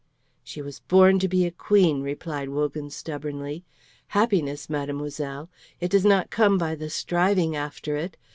"She was born to be a queen," replied Wogan, stubbornly. "Happiness, mademoiselle! It does not come by the striving after it.